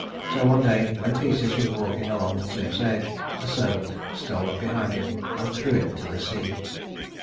So one day when Theseus was walking along the cliff's edge, a servant stole up behind him and threw him into the sea.